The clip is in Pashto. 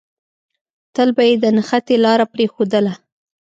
تل به يې د نښتې لاره پرېښودله.